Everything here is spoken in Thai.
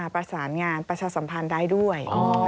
ประสานงานประชาสัมพันธ์ได้ด้วย